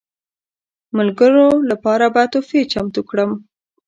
ملګرو لپاره به تحفې چمتو کړم.